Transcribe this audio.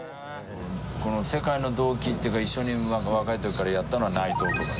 この世界の同期っていうか一緒に若い時からやったのは内藤とか。